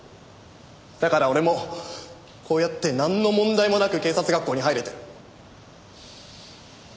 だから俺もこうやってなんの問題もなく警察学校に入れてる。